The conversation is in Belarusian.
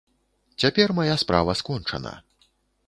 Цяпер мая справа скончана.